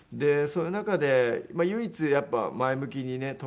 そういう中で唯一やっぱ前向きにね